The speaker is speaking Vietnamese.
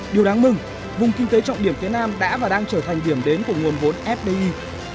điều đáng mừng vùng kinh tế trọng điểm phía nam đã và đang trở thành điểm đến của nguồn vốn fdi